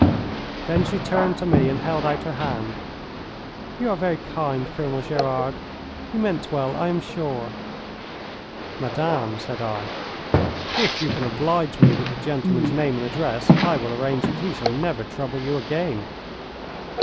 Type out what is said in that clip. Then she turned to me and held out her hand. "You are very kind, Colonel Gerard. You meant well, I am sure." "Madame," said I, "if you can oblige me with the gentleman's name and address I will arrange that he shall never trouble you again."